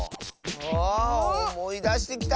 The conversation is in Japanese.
あおもいだしてきた！